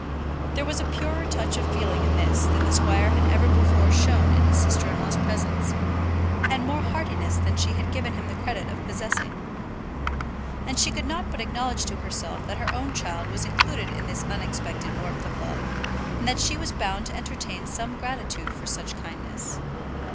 There was a purer touch of feeling in this than the squire had ever before shown in his sister in law's presence, and more heartiness than she had given him the credit of possessing. And she could not but acknowledge to herself that her own child was included in this unexpected warmth of love, and that she was bound at any rate to entertain some gratitude for such kindness.